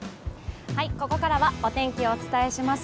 ここからはお天気をお伝えします。